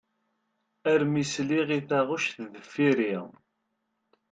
Armi i sliɣ i taɣect deffir-i.